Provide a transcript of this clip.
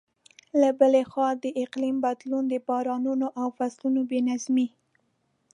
له بلې خوا، د اقلیم بدلون د بارانونو د فصلونو بې نظمۍ.